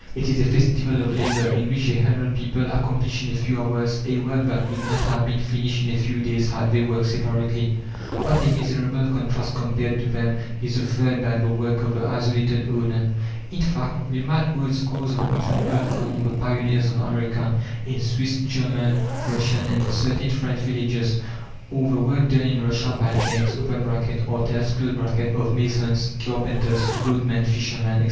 It is a festival of labour, in which a hundred people accomplish in a few hours a work that would not have been finished in a few days had they worked separately. What a miserable contrast compared to them is offered by the work of the isolated owner! In fact, we might quote scores of examples among the pioneers of America, in Swiss, German, Russian, and in certain French villages; or the work done in Russia by gangs (artels) of masons, carpenters, boatmen, fishermen, etc.